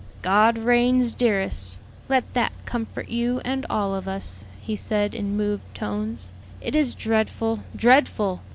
"God reigns, dearest; let that comfort you and all of us," he said, in moved tones. "It is dreadful, dreadful!